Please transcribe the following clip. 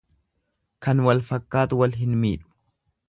Kan wal fakkaatu wal hin miidhu.